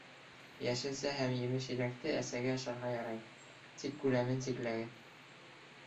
Йәшелсә һәм емеш-еләкте әсәгә ашарға ярай, тик күләмен сикләгеҙ.